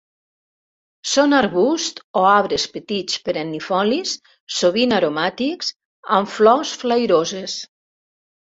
Són arbusts o arbres petits perennifolis, sovint aromàtics, amb flors flairoses.